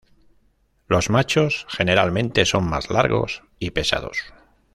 Los machos generalmente son más largos y pesados.